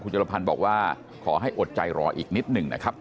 จรพันธ์บอกว่าขอให้อดใจรออีกนิดหนึ่งนะครับ